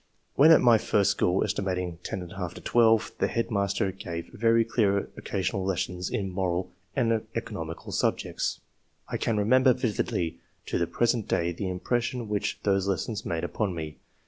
When at my first school, set. 10^12, the head master gave very clear occasional lessons in moral and economical subjects. I can remember vividly to the present day the impression which those lessons made upon me.